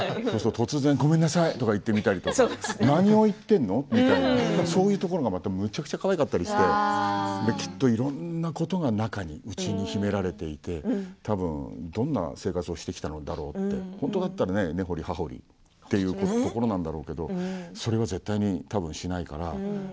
突然、ごめんなさいとか言ってみたり何を言ってるの？みたいなそういうところがまためちゃくちゃかわいかったりしてきっといろいろなことが中に内に秘められていてたぶん、どんな生活をしてきたんだろうって本当だったら根掘り葉掘り聞きたいところなんだろうけどそれは絶対にしないから。